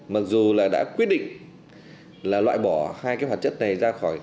mặc dù là đã quyết định là loại bỏ hai cái hoạt chất này ra khỏi